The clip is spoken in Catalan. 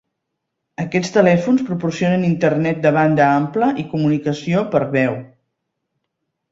Aquests telèfons proporcionen Internet de banda ampla i comunicació per veu.